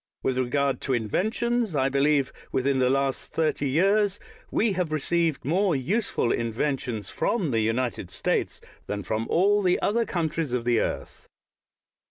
With regard to inventions, I believe, within the last thirty years, we have received more useful inventions from the United States than from all the other countries of the earth.